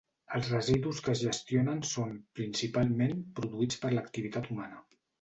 Els residus que es gestionen són, principalment, produïts per l'activitat humana.